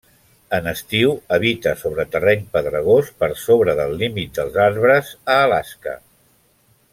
En estiu habita sobre terreny pedregós per sobre del límit dels arbres, a Alaska.